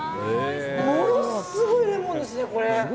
ものすごいレモンですね、これ。